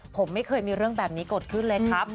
ผมไม่เคยมีเรื่องแบบนี้เกิดขึ้นเลยครับ